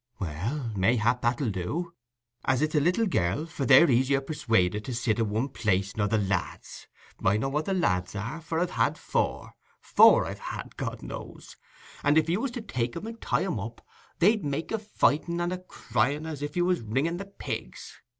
"Well, mayhap that'll do, as it's a little gell, for they're easier persuaded to sit i' one place nor the lads. I know what the lads are; for I've had four—four I've had, God knows—and if you was to take and tie 'em up, they'd make a fighting and a crying as if you was ringing the pigs.